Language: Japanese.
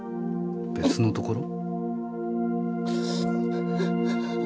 別のところ？